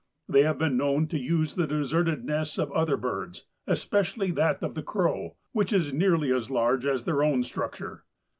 They have been known to use the deserted nests of other birds, especially that of the crow, which is nearly as large as their own structure.